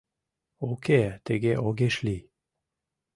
Уке, тыге огеш лий».